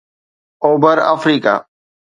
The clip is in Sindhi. اوڀر آفريڪا